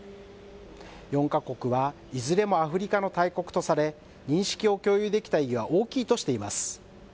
４か国はいずれもアフリカの大国とされ、認識を共有できた意義は大きいとしています。